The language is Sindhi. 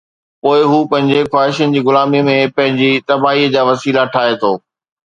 پوءِ هو پنهنجي خواهشن جي غلاميءَ ۾ پنهنجي تباهيءَ جا وسيلا ٺاهي ٿو.